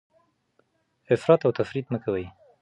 افراط او تفریط مه کوئ.